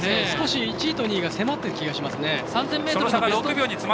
少し１位と２位が迫っている感じがします。